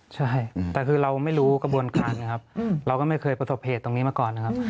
ใช่แต่คือเราไม่รู้กระบวนการนะครับเราก็ไม่เคยประสบเหตุตรงนี้มาก่อนนะครับ